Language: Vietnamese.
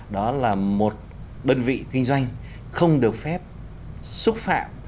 đó là một đơn vị kinh doanh không được phép xúc phạm